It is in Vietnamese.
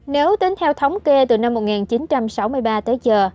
nếu tính theo thống kê từ năm một nghìn chín trăm sáu mươi ba tới giờ